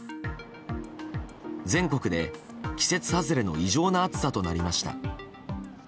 全国で、季節外れの異常な暑さとなりました。